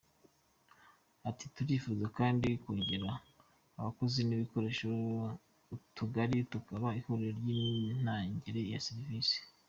Ati “Turifuza kandi kongerera abakozi n’ibikoresho utugari tukaba ihuriro ry’imitangire ya serivisi.